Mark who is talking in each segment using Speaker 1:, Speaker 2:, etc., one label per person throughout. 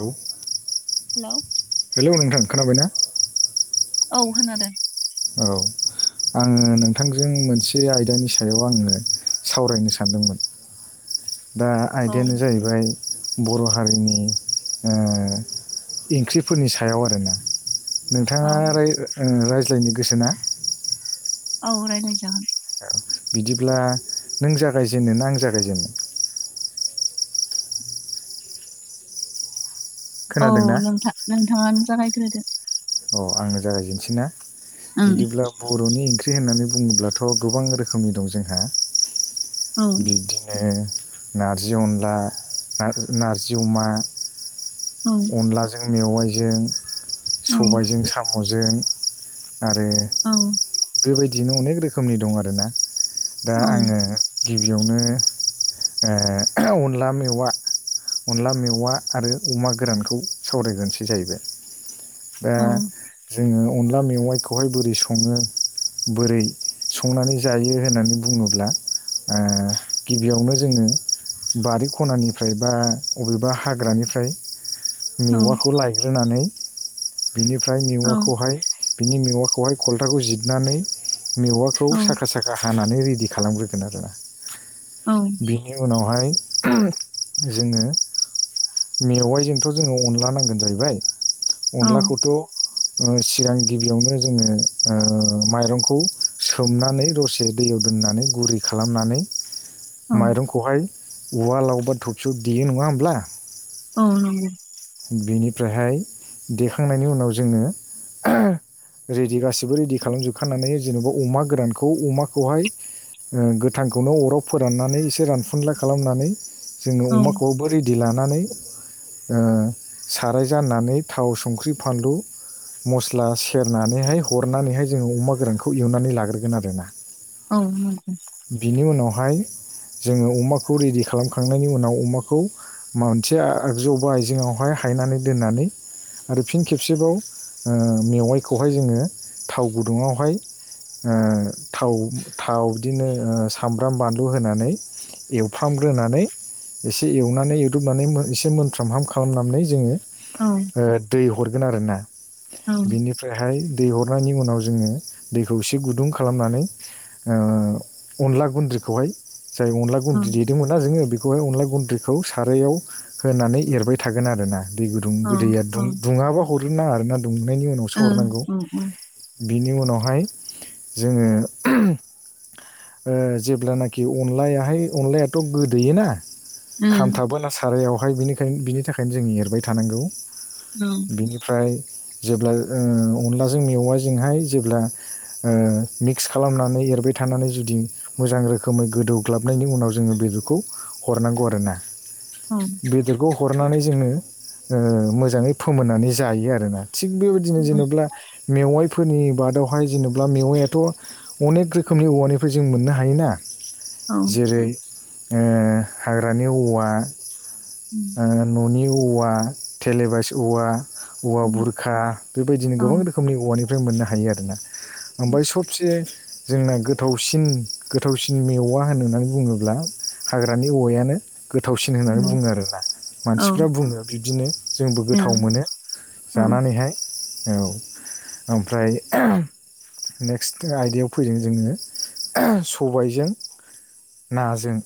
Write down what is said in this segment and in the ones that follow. Speaker 1: लौ
Speaker 2: hello
Speaker 1: hello नोंथां खोनाबायना?
Speaker 2: औ होनादो।
Speaker 1: औ। आङो नोंथांजों मोनसे आयदानि सायाव आङो सावरायनो सानदोंमोन। [unintelligible] दा
Speaker 2: औ
Speaker 1: आयदायानो जाहैबाय बर' हारिनि ओ इंख्रिफोरनि सायाव आरोना।
Speaker 2: औ
Speaker 1: नोंथाङा राय ओ रायज्लायनो गोसो ना?
Speaker 2: औ रायज्लाय जागोन।
Speaker 1: बिदिब्ला नों जागायजेनो ना आं जागायजेनो?
Speaker 2: औ
Speaker 1: खोनादोंना
Speaker 2: नोंथा नोंथाङानो जागायग्रोदो।
Speaker 1: अ आंनो जागायजेनसै ना।
Speaker 2: ओं
Speaker 1: बिदिब्ला बर'नि ओंख्रि खि होननानै बुङोब्लाथ' गोबां रोखोमनि दं जोंहा
Speaker 2: औ
Speaker 1: बिब्दिनो नारजि अनला नारजि अमा
Speaker 2: औ
Speaker 1: अनलाजों मेवाइजों,
Speaker 2: औ
Speaker 1: सबायजों साम'जों आरो
Speaker 2: औ
Speaker 1: बेबायदिनो अनेक रोखोमनि दं आरोना दा आङो गिबियावनो ओ ओहो अनला मेवा अनला मेवा आरो अमा गोरानखौ सावरायग्रोनोसै जाहैबाय। दा
Speaker 2: औ
Speaker 1: जोङो अनला मेवाइखौहाय बोरै सङो। बोरै संनानै जायो होननानै बुङोब्ला? ओ गिबियावनो जोङो बारि खनानिफ्राय बा अ'बेबा हाग्रानिफ्राय
Speaker 2: औ
Speaker 1: मेवाखौ लायग्रोनानै बिनिफ्राय
Speaker 2: औ
Speaker 1: मेवाखौहाय बिनि मेवाखौहाय खलथाखौ जिदनानै मेवाखौ साखा साखा हानानै रेडि खालामो। आरोना
Speaker 2: औ
Speaker 1: बिनि उनावहाय जोङो मेवाइजोंथ' जोङो अनला नांगोन हैबाय
Speaker 2: औ
Speaker 1: अनलाखौथ' ओ चिगां गिबियावनो जोङो ओ माइरंखौ सोमनानै दसे दैयाव दोननानै गुरै खालामनानै
Speaker 2: औ
Speaker 1: माइरंखौहाय उवाल आवबा थबसियाव देयो नङा होमब्ला
Speaker 2: औ नंगौ।
Speaker 1: बेनिफ्रायहाय देखांनायनि उनाव जोङो रेडि गासिबो रेडि खालाम जोबखानानै जेनेबा अमा गोरानखौ अमाखौहाय ओ गोथांखौनो अराव फोराननानै एसे रानफुनला खालामनानै जोङो
Speaker 2: औ
Speaker 1: अमाखौबो रेडि लानानै ओ साराय जाननानै थाव संख्रि फानलु मस्ला सेरनानैहाय हरनानैहाय जोङो अमा गोरानखौ एवनानै लाग्रोगोन आरोना।
Speaker 2: औ नंगौ
Speaker 1: बिनि उनावहाय जोङो अमाखौ रेडि खालामखांनायनि उनाव अमाखौ मोनसे एबा आगजुआव बेवहाय हायनानै दोननानै आरो फिन खेबसेबाव ओ मेवाइखौहाय जोङो थाव गुदुङावहाय ओ थाव थाव बिदिनो ओ सामब्राम बानलु होनानै एवफ्रामग्रोनानै एसे एवनानै एवदुबनानै मोन एसे मोनफ्रामहाम खा खालामनानै जोङो
Speaker 2: औ
Speaker 1: ओ दै हरगोन आरोना
Speaker 2: औ
Speaker 1: बिनिफ्रायहाय दै हरनायनि उनाव जोङो दैखौ इसे गुदुं खालामनानै ओ अनला गुन्द्रु बिखौहाय जाय अनला
Speaker 2: औ
Speaker 1: गुन्द्रि
Speaker 2: ओ
Speaker 1: देदोंमोना जोङो बेखौहाय अनला गुन्द्रिखौ सारायाव होनानै एरबाय थागोन आरोना दै गुदुं
Speaker 2: औ
Speaker 1: गोदैया
Speaker 2: औ ओ औ
Speaker 1: दुं दुङाबा हरनो नाङा आरो ना दुंनायनि उनावसो हरनांगौ।
Speaker 2: औ
Speaker 1: बिनि उनावहाय जोङो ओ जेब्लानाखि अनलायाहाय अनलायाथ' गोदैयोना खामथाबबोना सारायावहाय बेनिखायनो बिनि थाखायनो जों एरबाय थानांगौ। बेनिफ्राय जेब्ला ओ अनलाजों मेवायजोंहाय जेब्ला ओ मिक्स खालामनानै एरबाय थाय थानानै जुदि मोजां रोखोमै गोदौग्लाबनायनि उनाव जोङो बेदरखौ हरनांगौ आरो ना। बेदरखौ हरनानै जोङो ओ मोजाङै फोमोननानै जायो आरोना। थिग बेबादिनो जेन'ब्ला मेवाइ फोरनि बादावहाय जेन'ब्ला मेवायाथ' अनेक रोखोमनि औवानिफ्राय जों मोननो हायोना? जेरै ओ हाग्रानि औवा ओ न'नि औवा थेलेबास औवा औवा बुरखा बेबायदिनो गोबां रोखोमनि औवानिफ्राय मोननो हायो आरोना। ओमबाय सबसे जोंना गोथावसिन गोथावसिन मेवा होननानै बुङोब्ला हाग्रानि औवायानो गोथावसिन होननानै बुङो आरोना। मानसिफ्रा बुङो बिदिनो जोंबो गोथाव मोनो जानानैहाय औ। ओमफ्राय नेक्स्ट आयदायाव फैदों जोङो सबायजों नाजों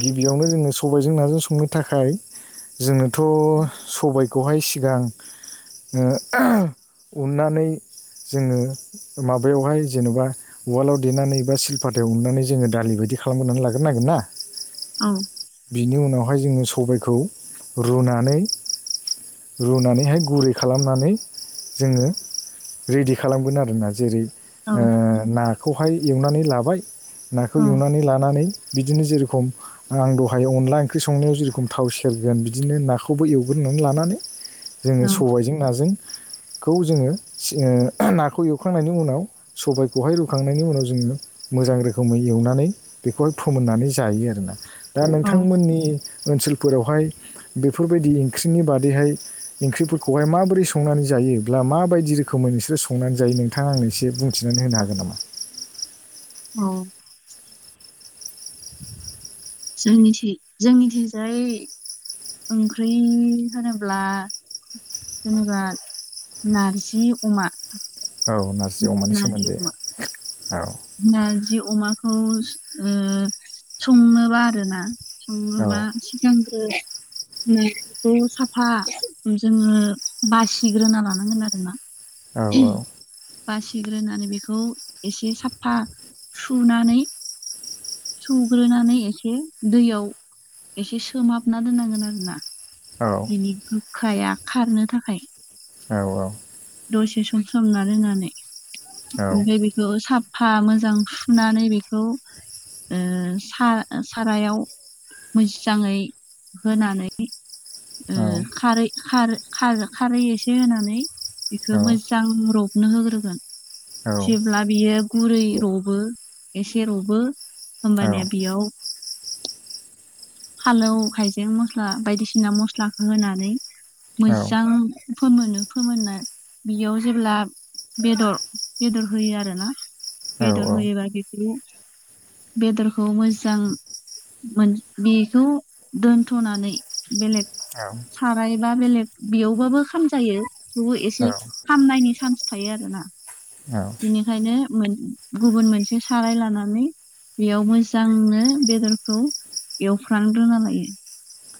Speaker 1: गिबियावनो जोङो सबायजों नाजों स नो थाखाय जोंनोथ' सबायखौहाय सिगां उननानै जोङो माबायावहाय जेनेबा उवालाव देनानै बा सिलपाथायाव उननानै जोङो दालि बायदि बिदि खालामग्रोनानै लाग्रो नांगोन ना बिनि उनाव बेवहाय जोङो सबायखौ रुनानै रुनानैहाय गुरै खालामनानै जोङो रेडि खालामगोन आरोना जेरै नाखौहाय एवनानै लाबाय नाखौ एवनानै लानानै बिदिनो जेरखम आं दहाय अनला ओंख्रि संनायाव जेरेखम थाव सेरगोन बिदिनो नाखौबो एवग्रोनानै लानानै जोङो सबायजों नाजों खौ जोङो ओ नाखौ एवखांनायनि उनाव सबायखौहाय रुखांनायनि उनाव जोङो मोजां रोखोमै एवनानै बेखौहाय फोमोननानै जायो आरोना दा
Speaker 2: औ औ
Speaker 1: नोंथांमोननि ओनसोलफोरावहाय बेफोरबायदि ओंख्रिनि बादैहाय ओंख्रिफोरखौहाय माबोरै सं संनानै जायोब्ला माबायदि रोखोमै नोंसोरो संनानै जायो नोंथाङा आंनो एसे बुंथिनानै होनो हागोन नामा [inaudible]
Speaker 2: औ जोंनि जोंनिथिंजाय ओंख्रि होनोब्ला जेनेबा नारजि अमा
Speaker 1: औ नारजि अमानि
Speaker 2: नारजि
Speaker 1: सोमोन्दै
Speaker 2: अमा
Speaker 1: ओं
Speaker 2: नारजि अमाखौ ओ संनोबा आरोना
Speaker 1: औ
Speaker 2: संनोबा सिगांग्रो मैगंखौ साफा जोङो बासिग्रोना लानांगोन आरो ना
Speaker 1: औ
Speaker 2: बासिग्रोनानै बेखौ एसे साफा सुनानै सुग्रोनानै एसे दैयाव एसे सोमहाबना दोननांगोन आरो ना
Speaker 1: औ
Speaker 2: बिनि गोखाया खारनो थाखाय
Speaker 1: औ औ
Speaker 2: दसे सम सोमना दोननानै
Speaker 1: औ
Speaker 2: ओमफ्राय बेखौ साब फा मोजां सुनानै बेखौ ओ सारायाव मोजाङै होनानै ओ
Speaker 1: औ
Speaker 2: खारै खारै खारै एसे होनानै बेखौ मोजां रब नो होग्रोगोन जेब्ला बियो गुरै रबो एसे रबो होमबानिया बेयाव फानलौ हाइजें मस्ला बायदिसिना मस्लाखौ होनानै मोजां फोमोनो फोमोनना बेयाव जेब्ला बेदर बेदर होयो आरोना बेदर होयोबा बिदि बेदरखौ मोजां मोन बेखौ दोनथ'नानै बेलेग
Speaker 1: औ
Speaker 2: साराय बा बेलेग बेयावबाबो खामजायो थेवबो एसे खामनायनि चान्स थायो आरोना
Speaker 1: औ
Speaker 2: बिनिखायनो गुबुन मोनसे साराय लानानै बेयाव मोजांनो बेदरखौ एवफ्रामग्रोना लायो।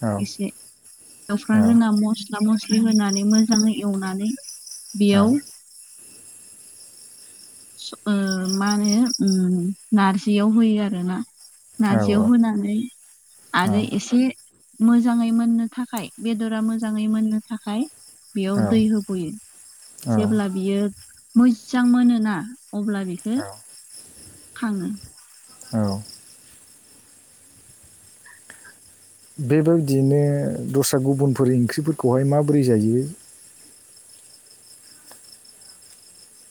Speaker 1: औ
Speaker 2: एसे
Speaker 1: औ
Speaker 2: एवफ्रामग्रोना मस्ला मस्लि होनानै मोजाङै एवनानै
Speaker 1: औ
Speaker 2: बेयाव ओ मा होनो उम नारजियाव होयो आरोना। नारजियाव होनानै आरो एसे मोजाङै मोननो थाखाय बेदरा मोजाङै मोननो थाखाय बेयाव दै होबोयो जेब्ला बियो मोजां मोनोना? अब्ला बेखौ थाङो।
Speaker 1: औ बेबायदियैनो दस्रा गुबुनफोर ओंख्रिफोरखौहाय माबोरै जायो?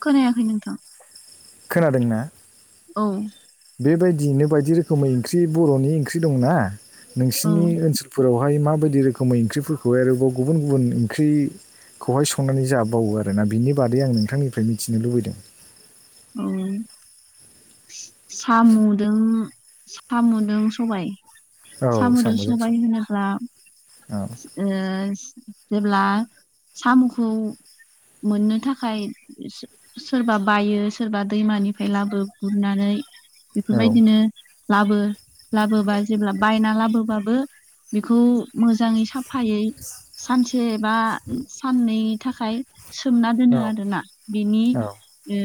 Speaker 2: खोनायाखै नोंथां?
Speaker 1: खोनादोंना?
Speaker 2: औ
Speaker 1: बेबायदियैनो बायदि रोखोमै ओंख्रि बर'नि ओंख्रि दंना
Speaker 2: औ
Speaker 1: नोंसोरनि ओनसोलफोराव बेहाय माबायदि रोखोमै ओंख्रिफोरखौ आरोबाव गुबुन गुबुन ओंख्रि खौहाय संनानै जाबावो आरोना बिनि बादै आं नोंथांनिफ्राय मिथिनो लुबैदों।
Speaker 2: साम'जों साम'जों सबाय।
Speaker 1: औ
Speaker 2: साम'जों सबाय
Speaker 1: सं
Speaker 2: होनोब्ला
Speaker 1: औ
Speaker 2: ओ जेब्ला सामुखौ मोननो थाखाय सोरबा बायो सोरबा दैमानिफ्राय लाबो गुरनानै
Speaker 1: औ
Speaker 2: बेफोरबायदिनो। लाबो लाबोबा जेब्ला बायना लाबोबाबो बेखौ मोजाङै साफ फायै सानसे एबा साननै थाखाय सोमना दोनो
Speaker 1: औ
Speaker 2: आरोना बिनि
Speaker 1: औ
Speaker 2: ओ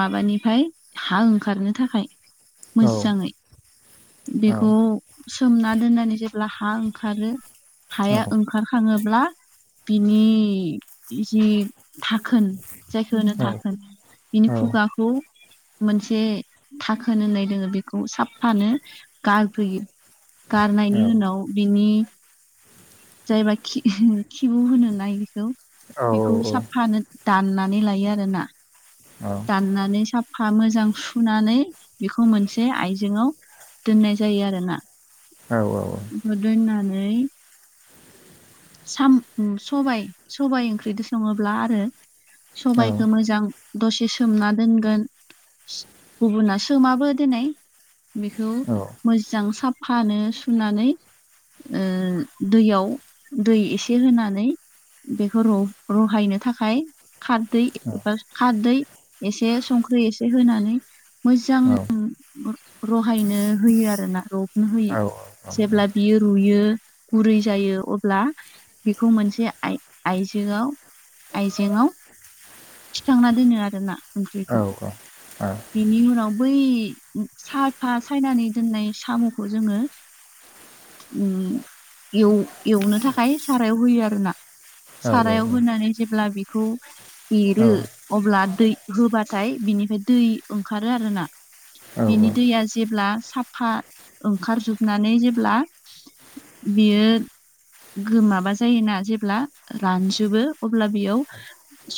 Speaker 2: माबानिफ्राय हा ओंखारनो थाखाय
Speaker 1: औ
Speaker 2: मोजाङै
Speaker 1: औ
Speaker 2: बेखौ सोमना दोननानै जेब्ला हा ओंखारो
Speaker 1: औ
Speaker 2: हाया ओंखार खाङोब्ला बिनि जो थाखोन जायखौ होनो
Speaker 1: औ
Speaker 2: थाखोन बिनि खुगाखौ मोनसे थाखोन होननाय दोङो बेखौ साफानो गारफैयो। गारनायनि उनाव बिनि जायबा खि खिबु होनो नाय बेखौ बेखौ साफानो दाननानै लायो आरोना दाननानै साफ फा मोजां सुनानै बेखौ मोनसे आइजेंआव दोननाय जायो आरोना?
Speaker 1: औ औ औ
Speaker 2: मदयनानै साम सबाय सबाय ओंख्रिजों सङोब्ला आरो
Speaker 1: औ
Speaker 2: सबायखौ मोजां दसे सोमना दोनगोन गुबुना सोमाबो देनाय बेखौ मोजां साफ फानो सुनानै ओ दैयाव दै एसे होनानै बेखौ रहायनो थाखाय खारदै एबा खारदै एसे संख्रि एसे होनानै मोजां रहायनो होयो आरो ना रबनो होयो। जेब्ला बियो रुयो गुरै जायो। ब्ला बेखौ मोनसे आइ आइजेंआव थिखांना दोनो आरोना? ओंख्रिखौ
Speaker 1: औ औ
Speaker 2: बिनि उनाव बै साफा सायनानै दोननाय सामुखौ जोङो ओ एवनो थाखाय सारायाव होयो आरो ना? सारायाव होनानै जेब्ला बेखौ एरो अब्ला दै होबाथाय बिनिफ्राय दै ओंखारो आरोना। बिनि दैया जेब्ला साफा ओंखारजोबनानै जेब्ला बियो गोमाबा जायोना जेब्ला रानजोबो अब्ला बेयाव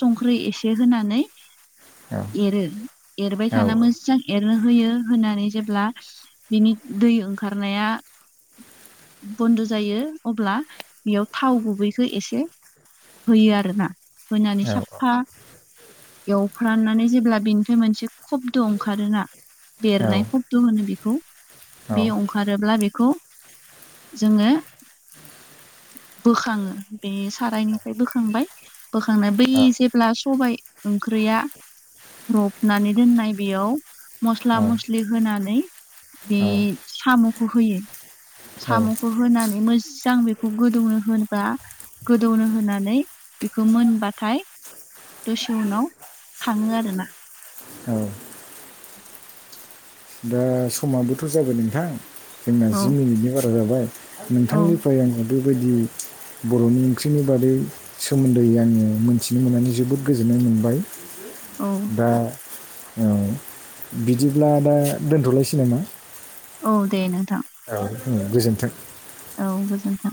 Speaker 2: संख्रि एसे होनानै एरो एरबाय थाना मोजां एरनो होयो होनानै जेब्ला बिनि दै ओंखारनाया बन्द' जायो अब्ला बेयाव थाव गुबैखौ एसे होयो आरोना होनानै साफफा एवफ्राननानै जेब्ला बेनिफ्राय मोनसे खबद' ओंखारोना देरनाय खब्द' होनो बेखौ बे ओंखारोब्ला बेखौ जोङो
Speaker 1: [inaudible]
Speaker 2: बोखाङो बे सारायनिफ्राय बोखांबाय बोखांनानै बै जेब्ला सबाय ओं ख्रैया रबनानै दोननाय बेयाव मस्ला मस्लि होनानै बे साम'खौ होयो।
Speaker 1: औ
Speaker 2: साम'खौ होनानै मोजां बेखौ गोदौनो होनोबा गोदौनो होनानै बेखौ मोनबाथाय दसे उनाव खाङो आरोना।
Speaker 1: ओ समाबोथ' जाबाय नोंथां जोंना
Speaker 2: औ
Speaker 1: जि मिनिटनि बारा जाबाय
Speaker 2: औ
Speaker 1: नोंथांनिफ्राय आं बेबायदि बर'नि ओंख्रिनि बादै सोमोन्दै आङो मोनथिनो मोननानै जोबोद गोजोन नाय मोनबाय
Speaker 2: औ
Speaker 1: दा औ बिदिब्ला दा दोनथ'लायसै नामा?
Speaker 2: औ दे नोंथां।
Speaker 1: औ गोजोनथों।
Speaker 2: औ गोजोन्थों।